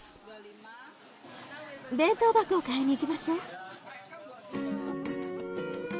弁当箱を買いに行きましょう。